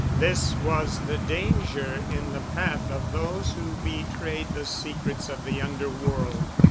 This was the danger in the path of those who betrayed the secrets of the underworld.